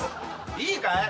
いいかい？